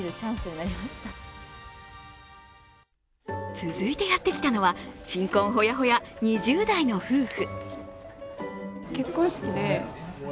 続いてやってきたのは新婚ホヤホヤ、２０代の夫婦。